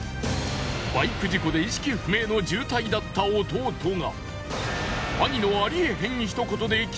バイク事故で意識不明の重体だった弟が。